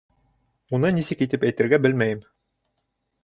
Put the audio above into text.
Уны нисек итеп әйтергә белмәйем